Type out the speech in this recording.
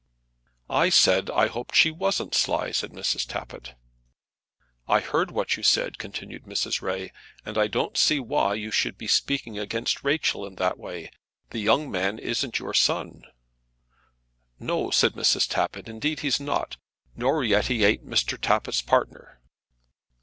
"I said I hoped she wasn't sly," said Mrs. Tappitt. "I heard what you said," continued Mrs. Ray; "and I don't see why you should be speaking against Rachel in that way. The young man isn't your son." "No," said Mrs. Tappitt, "indeed he's not; nor yet he ain't Mr. Tappitt's partner."